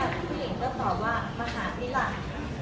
ผู้หญิงก็ตอบว่ามาหาทีหลัง